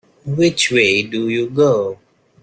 Which way do you go?